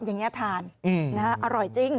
อย่างนี้ทานอร่อยจริง